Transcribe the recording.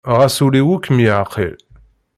Ɣas ul-iw ur kem-yeɛqil.